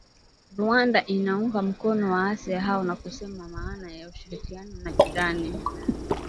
Rwanda inaunga mkono waasi hao na kusema maana ya ushirikiano na jirani